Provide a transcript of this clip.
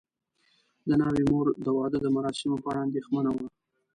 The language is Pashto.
د ناوې مور د واده د مراسمو په اړه اندېښمنه وه.